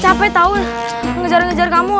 capek tahun ngejar ngejar kamu